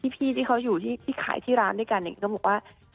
พี่ที่เขาอยู่ที่ขายที่ร้านด้วยกันอย่างนี้ก็บอกว่า